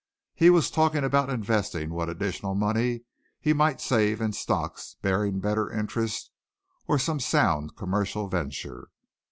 He was talking about investing what additional money he might save in stocks bearing better interest or some sound commercial venture.